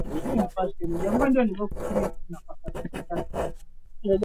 wakati Amerika ya Kusini ya leo na Afrika